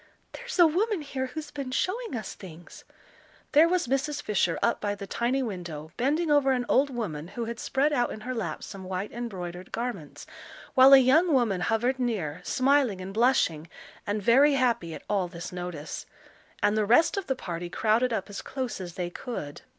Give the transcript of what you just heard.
"There's a woman here who's been showing us things." There was Mrs. Fisher up by the tiny window, bending over an old woman who had spread out in her lap some white embroidered garments, while a young woman hovered near, smiling and blushing, and very happy at all this notice. And the rest of the party crowded up as close as they could.